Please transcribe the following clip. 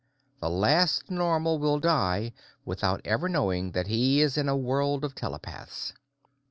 The last Normal will die without ever knowing that he is in a world of telepaths.